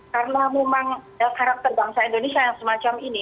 karena memang karakter bangsa indonesia yang semacam ini